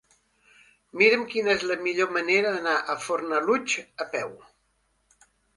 Mira'm quina és la millor manera d'anar a Fornalutx a peu.